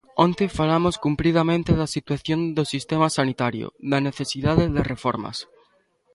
Onte falamos cumpridamente da situación do sistema sanitario, da necesidade de reformas.